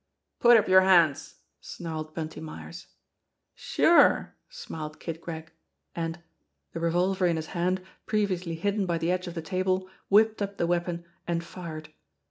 "Put up your hands !" snarled Bunty Myers. "Sure !" smiled Kid Gregg ; and the revolver in his hand previously hidden by the edge of the table whipped up the weapon and fired.